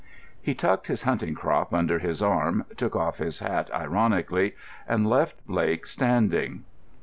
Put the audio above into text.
He tucked his hunting crop under his arm, took off his hat ironically, and left Blake standing.